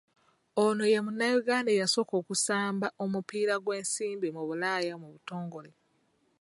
Ono ye Munnayuganda eyasooka okusamba omupiira gw’ensimbi mu Bulaaya mu butongole?